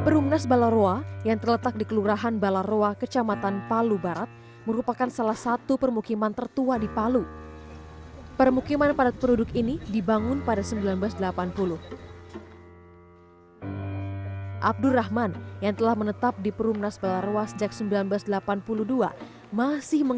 perkebunan sudah bekasnya sudah tidak ada sudah ganti posisi ini